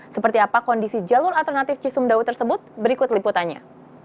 seperti apa kondisi jalur alternatif cisumdawu tersebut berikut liputannya